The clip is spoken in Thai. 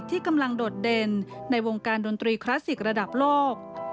ที่กำลังโดดเด่นในวงการดนตรีคลาสสิกระดับโลก